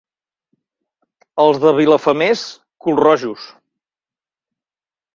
Els de Vilafamés, culrojos.